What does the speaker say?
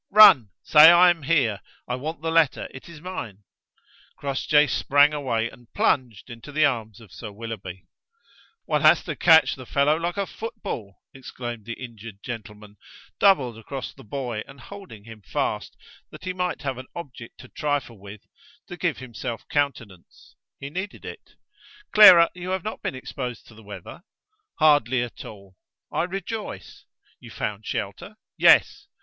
"Run: say I am here; I want the letter, it is mine." Crossjay sprang away and plunged into the arms of Sir Willoughby. "One has to catch the fellow like a football," exclaimed the injured gentleman, doubled across the boy and holding him fast, that he might have an object to trifle with, to give himself countenance: he needed it. "Clara, you have not been exposed to the weather?" "Hardly at all." "I rejoice. You found shelter?" "Yes."